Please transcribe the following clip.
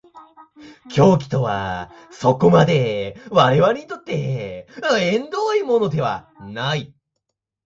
狂気とはそこまで我々にとって縁遠いものではない。